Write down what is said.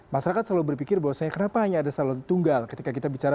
masyarakat selalu berpikir bahwasanya kenapa hanya ada calon tunggal ketika kita bicara